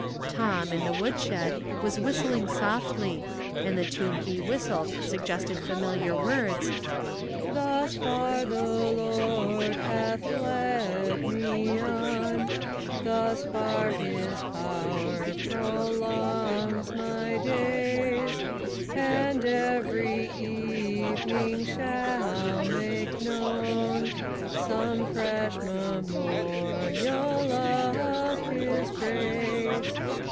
Tom, in the woodshed, was whistling softly, and the tune he whistled suggested the familiar words, —" Thus far the Lord has led me on, Thus far his power prolongs my days, And every evening shall make known Some fresh memorial of his grace."